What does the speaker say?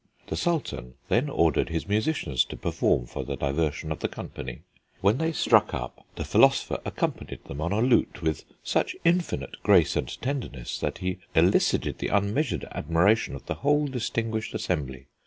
The Sultan then ordered his musicians to perform for the diversion of the company. When they struck up, the philosopher accompanied them on a lute with such infinite grace and tenderness that he elicited the unmeasured admiration of the whole distinguished assembly.